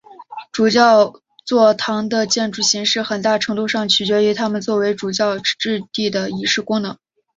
主教座堂的建筑形式很大程度上取决于它们作为主教驻地的仪式功能。